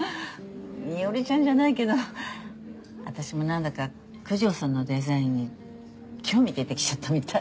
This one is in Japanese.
伊織ちゃんじゃないけど私も何だか九条さんのデザインに興味出てきちゃったみたい。